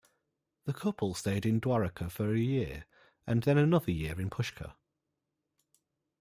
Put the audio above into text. The couple stayed in Dwaraka for a year, and then another year in Pushkar.